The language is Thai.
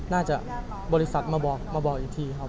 น่าจะบริษัทมาบอกอีกทีครับ